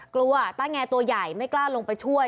กลัวอ่ะตาแงที่ตัวใหญ่ไม่กล้าลงไปช่วย